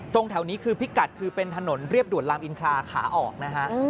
แถวนี้คือพิกัดคือเป็นถนนเรียบด่วนลามอินทราขาออกนะฮะ